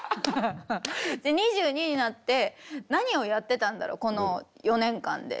で２２になって「何をやってたんだろうこの４年間で。